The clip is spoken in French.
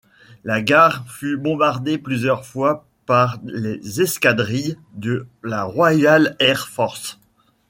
La gare fut bombardée plusieurs fois par les escadrilles de la Royal Air Force.